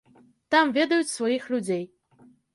Там ведаюць сваіх людзей.